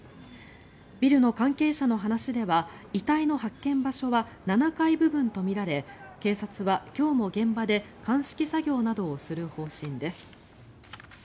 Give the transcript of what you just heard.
ビルの関係者の話では遺体の発見場所は７階部分とみられ警察は今日も現場で鑑識作業などをする方針です。